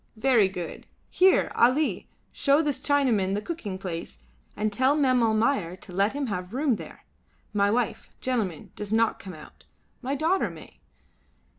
Very good. Here, Ali, show this Chinaman the cooking place and tell Mem Almayer to let him have room there. My wife, gentlemen, does not come out; my daughter may.